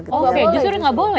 oke justru nggak boleh